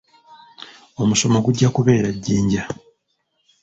Omusomo gujja kubeera Jinja.